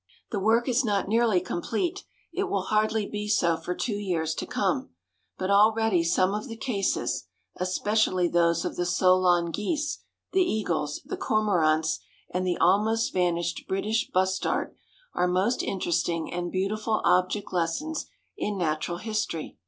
The work is not nearly complete; it will hardly be so for two years to come; but already some of the cases, especially those of the solan geese, the eagles, the cormorants, and the almost vanished British bustard, are most interesting and beautiful object lessons in natural history.